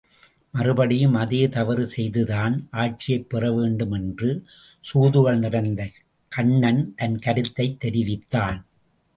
மறுபடியும் அதே தவறு செய்துதான் ஆட்சியைப் பெற வேண்டும் என்று சூதுகள் நிறைந்த கண்ணன் தன் கருத்தைத் தெரிவித்தான்.